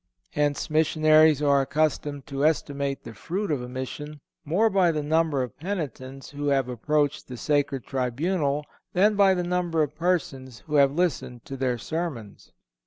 Hence missionaries are accustomed to estimate the fruit of a mission more by the number of penitents who have approached the sacred tribunal than by the number of persons who have listened to their sermons.